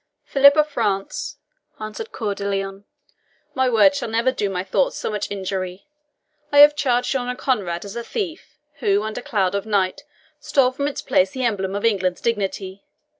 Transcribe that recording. "Philip of France," answered Coeur de Lion, "my words shall never do my thoughts so much injury. I have charged yonder Conrade as a thief, who, under cloud of night, stole from its place the emblem of England's dignity.